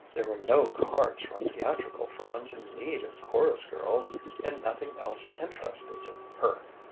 There were no cards from theatrical firms in need of chorus girls, and nothing else interested her.